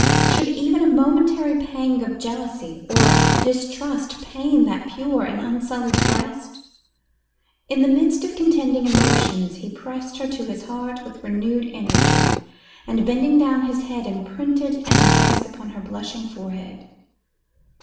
Should even a momentary pang of jealousy or distrust pain that pure and unsullied breast? In the midst of contending emotions, he pressed her to his heart with renewed energy, and, bending down his head, imprinted an embrace upon her blushing forehead.